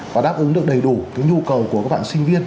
và đáp ứng được đầy đủ nhu cầu của các bạn sinh viên